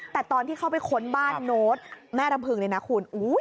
แต่ตอนที่เข้าไปค้นบ้านโน้ตแม่รำพึงเนี่ยนะคุณ